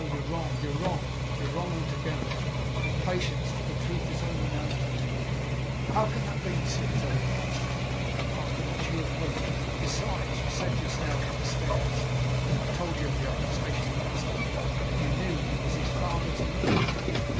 you're wrong; you're wrong all wrong together! Have patience, for the truth is only known to me!' 'How can that be,' said his old master's brother, 'after what you have heard? Besides, you said just now, above stairs, when I told you of the accusation against him, that you knew he was his father's murderer.